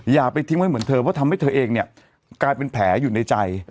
อย่าไปทิ้งไว้เหมือนเธอเพราะทำให้เธอเองเนี่ยกลายเป็นแผลอยู่ในใจ